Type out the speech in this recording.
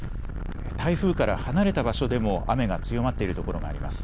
台風から離れた場所でも雨が強まっているところがあります。